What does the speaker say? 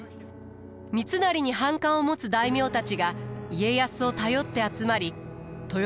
三成に反感を持つ大名たちが家康を頼って集まり豊臣政権は分裂。